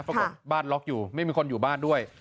บอกบ้านล็อกอยู่ไม่มีคนอยู่บ้านด้วย